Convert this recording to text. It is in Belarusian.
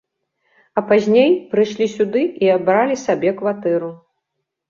А пазней прыйшлі сюды і абралі сабе кватэру.